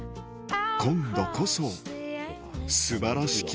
今度こそ素晴らしき